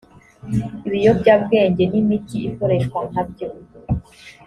ibiyobyabwenge n imiti ikoreshwa nka byo